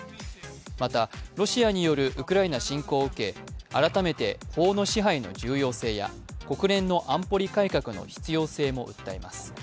またロシアによるウクライナ侵攻を受け改めて法の支配の重要性や国連の安保理改革の必要性も訴えます。